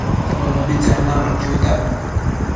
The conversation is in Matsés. ubitsen nanu chuita